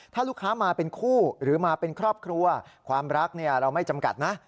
ถ้าลูกค้ามาเป็นคู่หรือมาเป็นครอบครัวความรักเราไม่จำกัดนะ